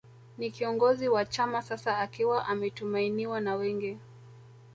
Ni kiongozi wa chama sasa akiwa ametumainiwa na wengi